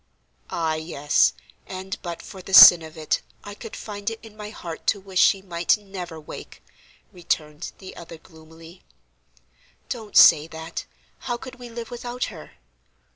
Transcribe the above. "Ah, yes; and but for the sin of it, I could find it in my heart to wish she might never wake!" returned the other, gloomily. "Don't say that! How could we live without her?"